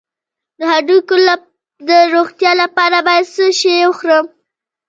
د هډوکو د روغتیا لپاره باید څه شی وخورم؟